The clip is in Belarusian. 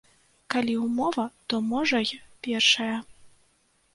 Калі ўмова, то можа й першая.